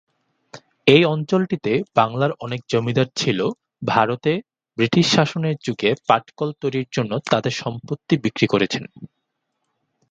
এই অঞ্চলটিতে বাংলার অনেক জমিদার ছিল ভারতে ব্রিটিশ শাসনের যুগে পাটকল তৈরির জন্য তাদের সম্পত্তি বিক্রি করেছেন।